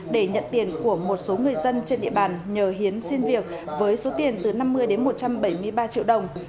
để nhận tiền của một số người dân trên địa bàn nhờ hiến xin việc với số tiền từ năm mươi đến một trăm bảy mươi ba triệu đồng